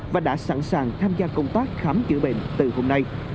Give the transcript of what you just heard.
và đã sẵn sàng tham gia công tác khám chữa bệnh từ hôm nay